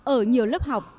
ở nhiều lớp học